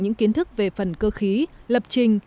những kiến thức về phần cơ khí lập trình